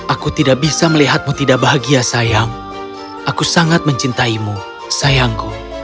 aku tidak bisa melihatmu tidak bahagia sayang aku sangat mencintaimu sayangku